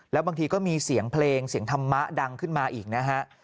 แล้วบางทีก็มีเสียงเพลงเสียงธรรมะดังขึ้นมาอีกนะฮะ